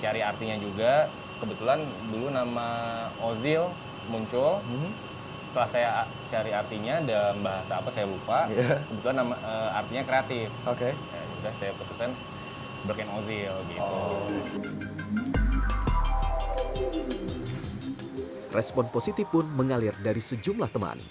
respon positif pun mengalir dari sejumlah teman